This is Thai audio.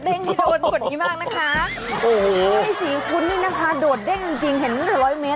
ตอนนี้นะคะโดดเด้งจริงเห็นเหลือ๑๐๐เมตร